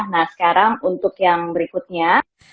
nah sekarang untuk yang berikutnya